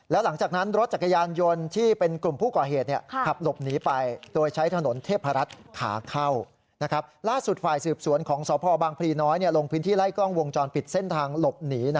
แล้วหลังจากนั้นรถจักรยานยนต์ที่เป็นกลุ่มผู้ก่อเหตุเนี่ยขับหลบหนีไปโดยใช้ถนนเทพรัฐขาเข้านะครับ